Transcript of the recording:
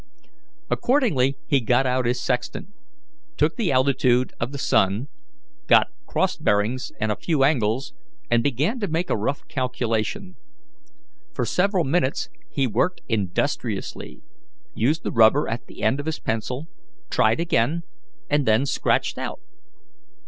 Accordingly, he got out his sextant, took the altitude of the sun, got cross bearings and a few angles, and began to make a rough calculation. For several minutes he worked industriously, used the rubber at the end of his pencil, tried again, and then scratched out.